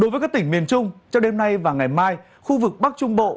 vào ngày mai khu vực bắc trung bộ